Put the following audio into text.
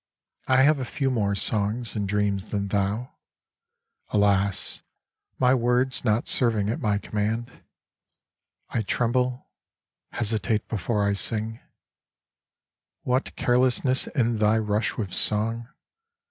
I have a few more songs and dreams than thou, (Alas, my words not serving at my command !) I tremble, hesitate before I sing : What carelessness in thy rush with song.